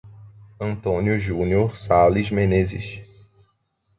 Antônio Junior Sales Menezes